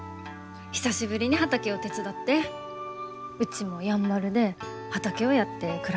久しぶりに畑を手伝ってうちもやんばるで畑をやって暮らしたいと思った。